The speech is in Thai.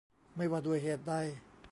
ไม่ว่าด้วยเหตุใด